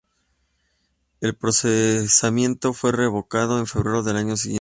El procesamiento fue revocado en febrero del año siguiente.